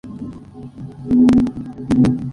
Liga del fútbol alemán.